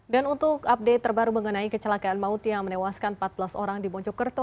dan untuk update terbaru mengenai kecelakaan maut yang menewaskan empat belas orang di bonjokerto